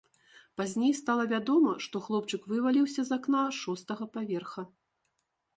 Пазней стала вядома, што хлопчык вываліўся з акна шостага паверха.